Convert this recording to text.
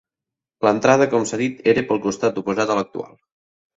L'entrada com s'ha dit, era pel costat oposat a l'actual.